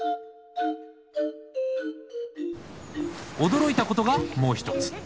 驚いたことがもう一つ。